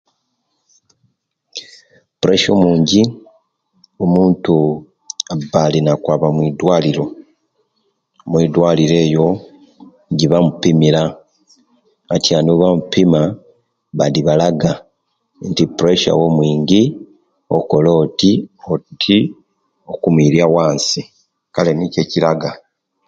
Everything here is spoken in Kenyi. Opuresya omungi, omuntu aba alina kwaba mwidwaliro, mwidwaliro eyo, jibamupimira atyanu bamupima Badi balaga nti pressure wo mungi okole oti oti okumuirya wansi kale nikyo ekiraga.